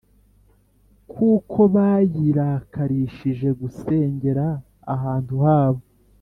Kuko bayirakarishije gusengera ahantu habo